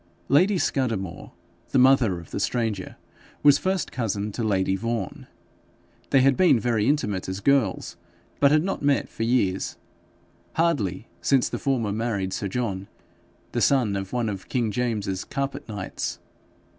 Lady Scudamore, the mother of the stranger, was first cousin to lady Vaughan. They had been very intimate as girls, but had not met for years hardly since the former married sir John, the son of one of King James's carpet knights.